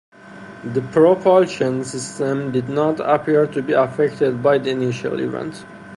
The propulsion system did not appear to be affected by the initial event.